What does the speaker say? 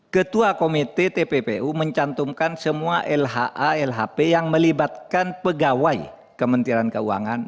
ketua komite tppu mencantumkan semua lha lhp yang melibatkan pegawai kementerian keuangan